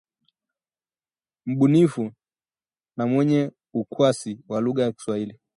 mbunifu na mwenye ukwasi wa lugha ya Kiswahili